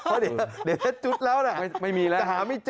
เพราะเดี๋ยวถ้าจุดแล้วนะจะหาไม่เจอ